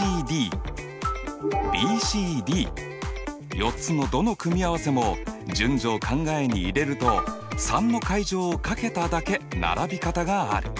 ４つのどの組合せも順序を考えに入れると３の階乗を掛けただけ並び方がある。